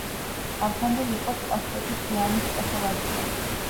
ავთანდილ იყო სპასპეტი, ძე ამირ-სპასალარისა,